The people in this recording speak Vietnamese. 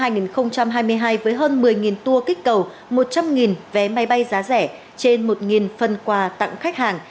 năm hai nghìn hai mươi hai với hơn một mươi tour kích cầu một trăm linh vé máy bay giá rẻ trên một phần quà tặng khách hàng